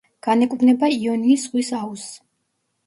განეკუთვნება იონიის ზღვის აუზს.